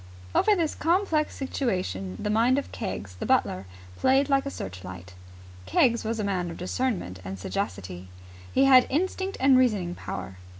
Over this complex situation the mind of Keggs, the butler, played like a searchlight. Keggs was a man of discernment and sagacity. He had instinct and reasoning power.